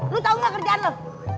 lu tahu nggak kerjaan lo